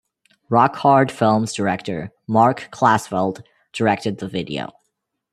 RockHard Films director Marc Klasfeld directed the video.